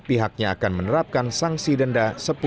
pihaknya akan menerapkan sangsi denda sepuluh juta rupiah